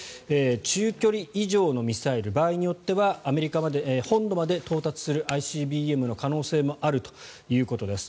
中距離以上のミサイル場合によってはアメリカ本土まで到達するＩＣＢＭの可能性もあるということです。